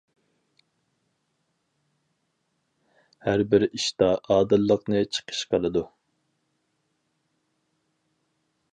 ھەر بىر ئىشتا ئادىللىقنى چىقىش قىلىدۇ.